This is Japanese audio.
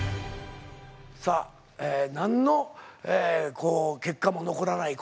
さあ何の結果も残らない